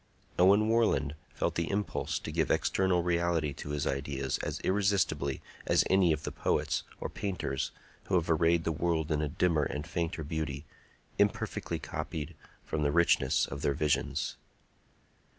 Owen Warland felt the impulse to give external reality to his ideas as irresistibly as any of the poets or painters who have arrayed the world in a dimmer and fainter beauty, imperfectly copied from the richness of their visions.